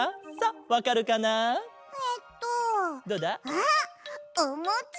あっおもち！